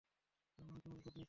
এবং আমি তোমাকে খুব মিস করছি।